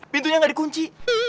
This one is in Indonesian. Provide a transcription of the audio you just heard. pintunya gak dikunci